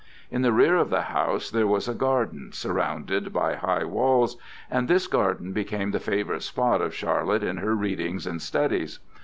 In the rear of the house there was a garden, surrounded by high walls, and this garden became the favorite spot of Charlotte in her readings and studies.